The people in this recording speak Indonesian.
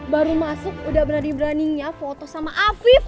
baru masuk udah berani beraninya foto sama afif